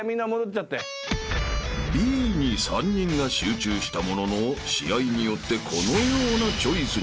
［Ｂに３人が集中したものの試合によってこのようなチョイスに］